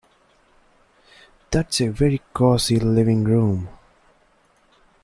That's a very cosy living room